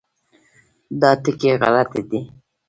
دا ټکي غلط دي.